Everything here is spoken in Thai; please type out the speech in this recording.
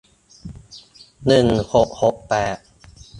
หนึ่งหกหกแปด